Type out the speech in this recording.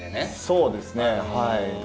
そうですねはい。